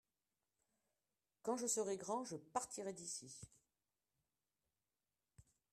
quand je serais grand je partirai d'ici.